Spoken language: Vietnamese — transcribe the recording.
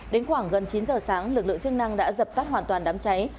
đến khoảng gần chín giờ sáng lực lượng chức năng đã dập tắt hoàn toàn đám cháy